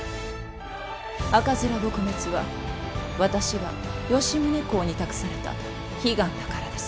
赤面撲滅は私が吉宗公に託された悲願だからです。